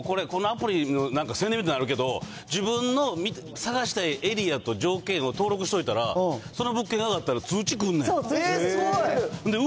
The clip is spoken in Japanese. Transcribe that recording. しかも、このアプリなんか、宣伝みたいになるけど、自分の探したいエリアと条件を登録しといたら、その物件が上がったら通知くんねん。